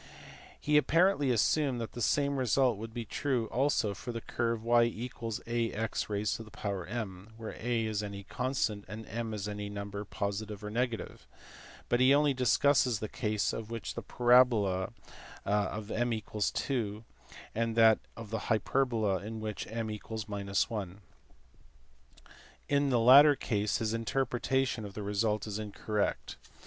He apparently assumed that the same result would be true also for the curve y = ax m , where a is any constant, and m any number positive or negative ; but he only discusses the case of the parabola in which m = 2, and that of the hyperbola in which m 1 : in the latter case his interpretation of the result is incorrect.